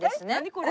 これ。